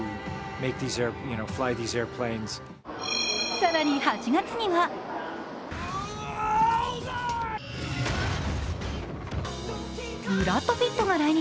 更に８月にはブラッド・ピットが来日。